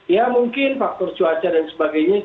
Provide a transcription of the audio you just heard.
ya mungkin faktor cuaca dan sebagainya